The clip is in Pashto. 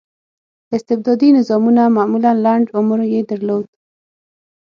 استبدادي نظامونه معمولا لنډ عمر یې درلود.